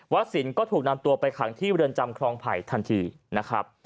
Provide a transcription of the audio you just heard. สินก็ถูกนำตัวไปขังที่เรือนจำคลองไผ่ทันทีนะครับ